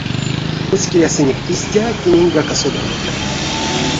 Коцькерясынек истя, киненьгак а содави.